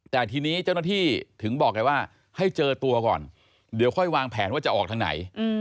แต่ทีนี้เจ้าหน้าที่ถึงบอกไงว่าให้เจอตัวก่อนเดี๋ยวค่อยวางแผนว่าจะออกทางไหน